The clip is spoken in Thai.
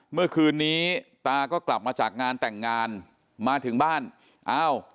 เมื่อคืนนี้ตาก็กลับมาจากงานแต่งงานมาถึงบ้านอ้าว